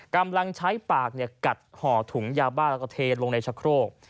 กำลังใช้ปากกัดห่อถุงยาบ้าแล้วก็เทลงในชะโครก